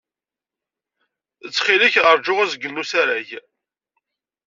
Ttxil-k, ṛju azgen n wesrag.